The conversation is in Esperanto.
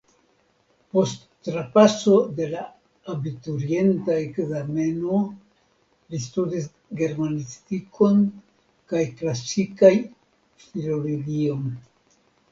Post trapaso de la abiturienta ekzameno li studis germanistikon kaj klasikaj filologion.